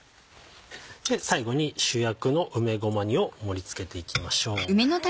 最後に主役の梅ごま煮を盛り付けていきましょう。